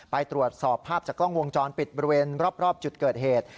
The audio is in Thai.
ไปตรวจสอบภาพจากกล้องวงจรปิดบริเวณรอบจุดเกิดเหตุ